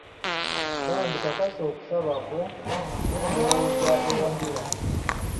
Bambi kakasa okusaba kwo n'endowooza ewagira.